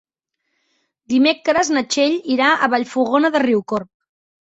Dimecres na Txell irà a Vallfogona de Riucorb.